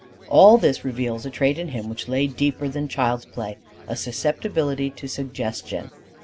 All this reveals a trait in him which lay deeper than child's play a susceptibility to suggestion.